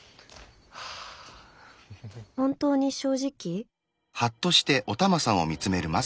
本当に正直？